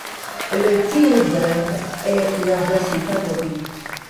Le thé au beurre est leur boisson favorite.